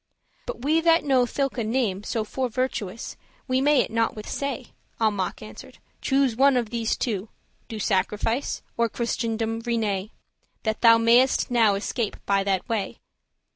"But we that knowe thilke name so For virtuous, we may it not withsay." Almach answered, "Choose one of these two, Do sacrifice, or Christendom renay, That thou may'st now escape by that way."